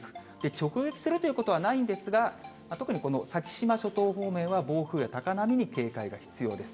直撃するということはないんですが、特にこの先島諸島方面は、暴風や高波に警戒が必要です。